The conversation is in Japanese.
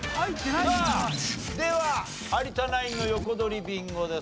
さあでは有田ナインの横取りビンゴです。